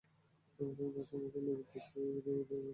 তাঁর সম্প্রদায়ের নবীর কাছ থেকে তিনি দায়িত্বপ্রাপ্ত হন।